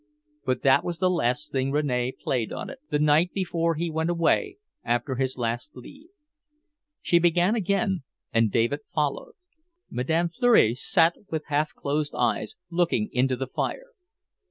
But that was the last thing Rene played on it, the night before he went away, after his last leave." She began again, and David followed. Madame Fleury sat with half closed eyes, looking into the fire.